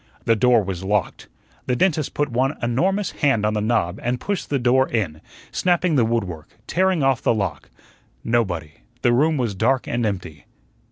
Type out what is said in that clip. The door was locked. The dentist put one enormous hand on the knob and pushed the door in, snapping the wood work, tearing off the lock. Nobody the room was dark and empty.